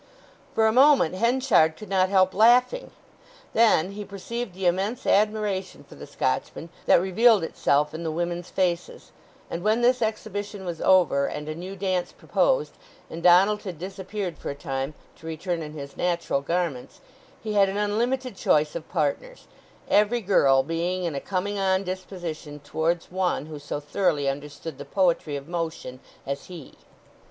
For a moment Henchard could not help laughing. Then he perceived the immense admiration for the Scotchman that revealed itself in the women's faces; and when this exhibition was over, and a new dance proposed, and Donald had disappeared for a time to return in his natural garments, he had an unlimited choice of partners, every girl being in a coming on disposition towards one who so thoroughly understood the poetry of motion as he.